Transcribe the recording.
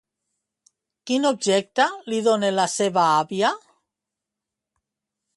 Quin objecte li dona la seva àvia?